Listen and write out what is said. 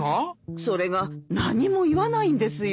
それが何も言わないんですよ。